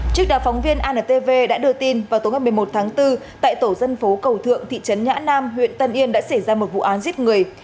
trước đó phóng viên antv đã đưa tin vào tối một mươi một tháng bốn tại tổ dân phố cầu thượng thị trấn nhã nam huyện tân yên đã xảy ra một vụ án giết người